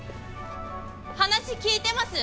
話聞いてます？